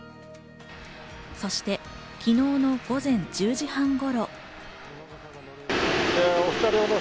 そして昨日の午前１０時半頃。